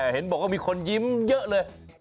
เห็นบอกว่ามีคนยิ้มเยอะเลย